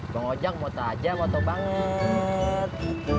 bang ojak moto aja moto banget